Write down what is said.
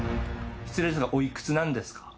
失礼ですがおいくつなんですか？